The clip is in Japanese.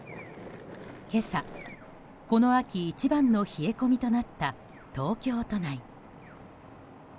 今朝、この秋一番の冷え込みとなった東京都内。